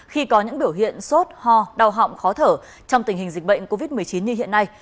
khi có những biểu hiện sốt ho đau họng khó thở trong tình hình dịch bệnh covid một mươi chín như hiện nay